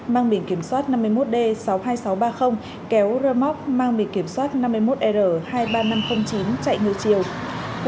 mang biển kiểm soát năm mươi một d sáu mươi hai nghìn sáu trăm ba mươi kéo rơ móc mang biển kiểm soát năm mươi một r hai mươi ba nghìn năm trăm linh chín chạy ngược chiều